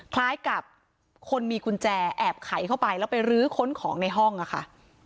คล้ายกับคนมีกุญแจแอบไขเข้าไปแล้วไปรื้อค้นของในห้องอะค่ะ